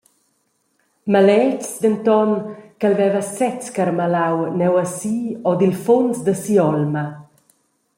Maletgs denton ch’el veva sez carmalau neuasi ord il funs da si’olma.